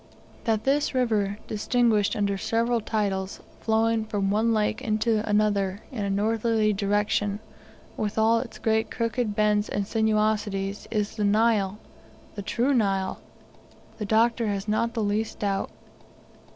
That this river, distinguished under several titles, flowing from one lake into another in a northerly direction, with all its great crooked bends and sinuosities, is the Nile the true Nile the Doctor has not the least doubt.